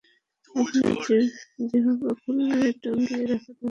আপনার জিহ্বা খুলে টাঙ্গিয়ে রাখা দরকার!